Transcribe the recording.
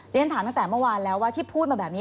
เรียนถามตั้งแต่เมื่อวานแล้วว่าที่พูดมาแบบนี้